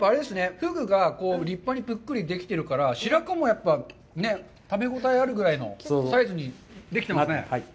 フグが立派にぷっくりできてるから、白子もやっぱり食べ応えがあるぐらいのサイズにできてますね。